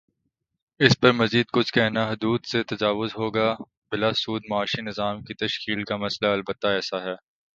اس پر مزیدکچھ کہنا حدود سے تجاوز ہوگا بلاسود معاشی نظام کی تشکیل کا مسئلہ البتہ ایسا ہے۔